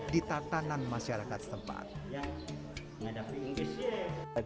di tartanan masyarakat setempat